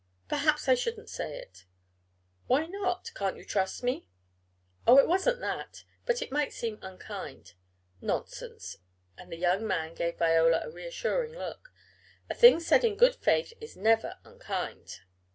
"Perhaps I shouldn't say it " "Why not? Can't you trust me?" "Oh, it wasn't that. But it might seem unkind." "Nonsense," and the young man gave Viola a reassuring look. "A thing said in good faith is never unkind."